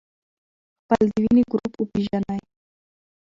خپل د وینې ګروپ وپېژنئ.